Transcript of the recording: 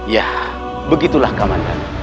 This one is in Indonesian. ya begitulah kamandan